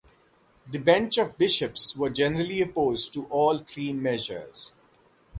The bench of bishops was generally opposed to all three measures.